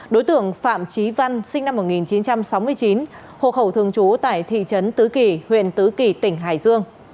đối tượng phạm trí văn sinh năm một nghìn chín trăm sáu mươi chín hộ khẩu thường trú tại thị trấn tứ kỳ huyện tứ kỳ tỉnh hải dương